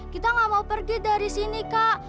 kita nggak mau pergi dari sini kak